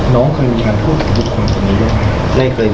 น้องเคยมีการโทษทุกคนคนนี้ด้วยไหม